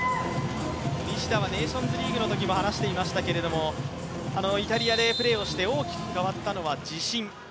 西田はネーションズリーグのときも話していましたけど、イタリアでプレーをして大きく変わったのは自信。